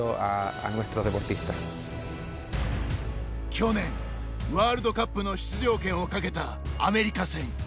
去年、ワールドカップの出場権をかけたアメリカ戦。